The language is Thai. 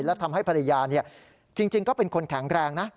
และทำให้ภรรยาจริงก็เป็นคนแข็งแรงนะ